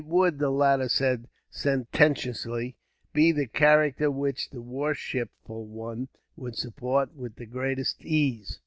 "It would," the latter said sententiously, "be the character which the worshipful one would support with the greatest ease."